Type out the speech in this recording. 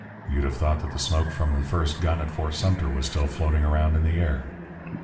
You'd have thought that the smoke from the first gun at Fort Sumter was still floating around in the air.